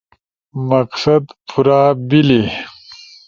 مقصد پورا بیلی